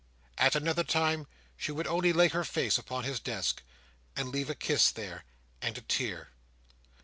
At another time, she would only lay her face upon his desk, and leave a kiss there, and a tear.